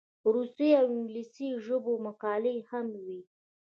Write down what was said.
روسي او انګلیسي ژبو مقالې هم وې.